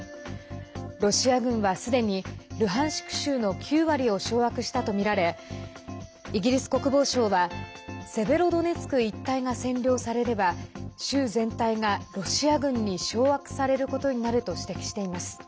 ロシア軍はすでにルハンシク州の９割を掌握したとみられイギリス国防省はセベロドネツク一帯が占領されれば州全体がロシア軍に掌握されることになると指摘しています。